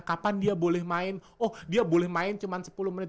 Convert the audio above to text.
kapan dia boleh main oh dia boleh main cuma sepuluh menit